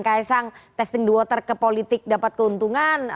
ks sang testing the water ke politik dapat keuntungan